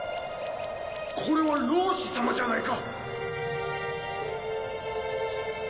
これは老師様じゃないか。